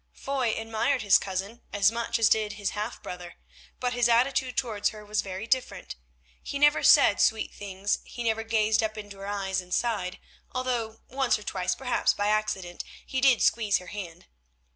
Foy admired his cousin as much as did his half brother, but his attitude towards her was very different. He never said sweet things; he never gazed up into her eyes and sighed, although once or twice, perhaps by accident, he did squeeze her hand.